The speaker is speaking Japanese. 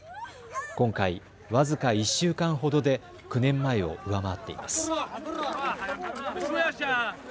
今回、僅か１週間ほどで９年前を上回っています。